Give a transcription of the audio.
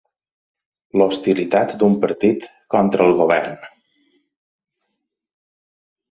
L'hostilitat d'un partit contra el govern.